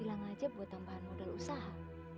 hilang aja buat tambahan modal usaha